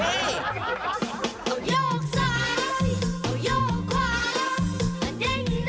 เอาโยกซ้ายเอาโยกขวามาแด้งหน้าแด้งหลังกระดับกระดับ